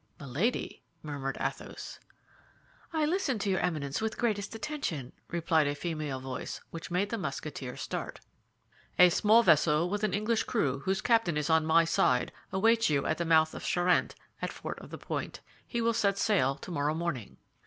"Milady!" murmured Athos. "I listen to your Eminence with greatest attention," replied a female voice which made the Musketeer start. "A small vessel with an English crew, whose captain is on my side, awaits you at the mouth of Charente, at Fort La Pointe*. He will set sail tomorrow morning."